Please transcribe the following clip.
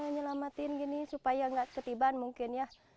nyalamatin gini supaya nggak ketipan mungkin ya